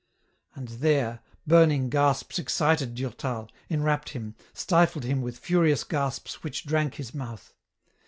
And there, burning gasps excited Durtal, enwrapped him, stifled him with furious gasps which drank his mouth.